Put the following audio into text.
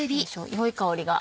良い香りが。